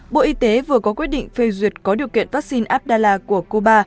bộ y tế vừa có quyết định phê duyệt có điều kiện vaccine abdallah của cuba